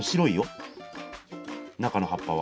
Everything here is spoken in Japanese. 中の葉っぱは。